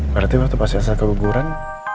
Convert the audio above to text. berarti waktu pas saya keguguran